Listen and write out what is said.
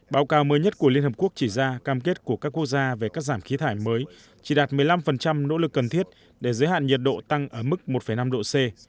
báo cáo mới nhất của liên hợp quốc chỉ ra cam kết của các quốc gia về cắt giảm khí thải mới chỉ đạt một mươi năm nỗ lực cần thiết để giới hạn nhiệt độ tăng ở mức một năm độ c